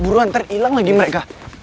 buruan ntar ilang lagi mereka